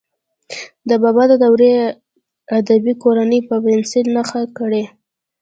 د بابا د دورې ادبي کورنۍ په پنسل نښه کړئ.